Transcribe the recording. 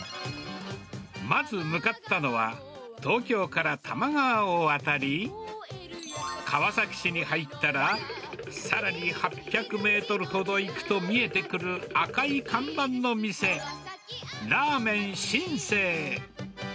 まず向かったのは、東京から多摩川を渡り、川崎市に入ったら、さらに８００メートルほど行くと見えてくる、赤い看板の店、ラーメン新世。